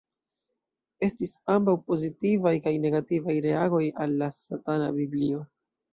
Estis ambaŭ pozitivaj kaj negativaj reagoj al "La Satana Biblio.